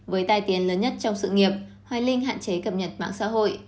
với tai tiến lớn nhất trong sự nghiệp hoài linh hạn chế cập nhật mạng xã hội